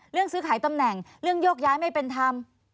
เรื่องซื้อขายตำแหน่งเรื่องโยกย้ายไม่เป็นธรรม